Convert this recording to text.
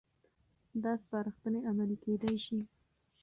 دا سپارښتنې عملي کېدای شي.